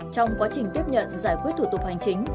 trong quá trình tiếp nhận giải quyết thủ tục hành chính